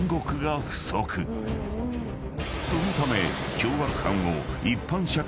［そのため］